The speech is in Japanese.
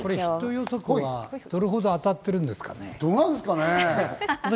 ヒット予測はどれほど当たってるんですかね？